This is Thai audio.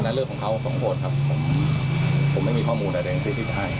อันนั้นเรื่องของเขาสมโทษครับผมผมไม่มีข้อมูลอะไรอย่างนี้ที่ได้